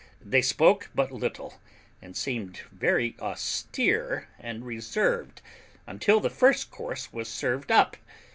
They spoke but little, and seemed very austere and reserved, until the first course was served up.